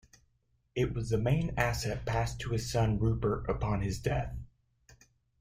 It was the main asset passed to his son Rupert upon his death.